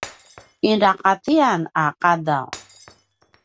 inaqatiyan a qadaw